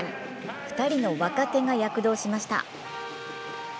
２人の若手が躍動しました。